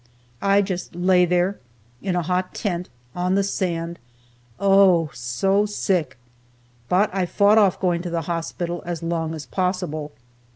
I just lay there, in a hot tent, on the sand, oh, so sick! But I fought off going to the hospital as long as possible.